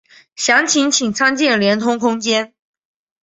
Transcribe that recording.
详情请参见连通空间。